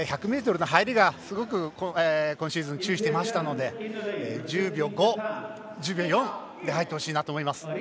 １００ｍの入りがすごく今シーズン注意していましたので１０秒５、１０秒４で入ってほしいなと思います。